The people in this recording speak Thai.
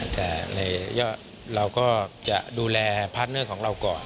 แต่เราก็จะดูแลพาร์ทเนอร์ของเราก่อน